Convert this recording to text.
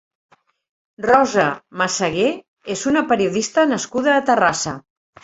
Rosa Massagué és una periodista nascuda a Terrassa.